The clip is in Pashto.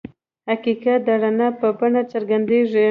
حقیقت د رڼا په بڼه څرګندېږي.